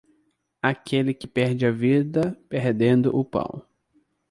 Aquele que perde a vida perdendo o pão.